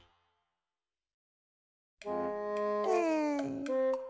うん。